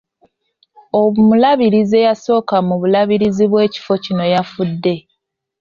Omulabirizi eyasooka mu bulabirizi bw'ekifo kino yafudde.